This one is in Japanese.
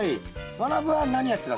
まなぶは何やってたっけ？